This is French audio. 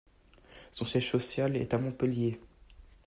Son siège social est à Montpellier.